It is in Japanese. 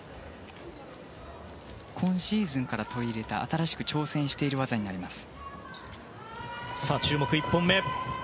今シーズンから取り入れた新しく挑戦している技です。